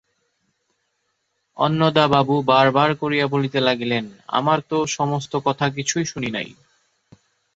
অন্নদাবাবু বার বার করিয়া বলিতে লাগিলেন, আমরা তো এ-সমস্ত কথা কিছুই শুনি নাই।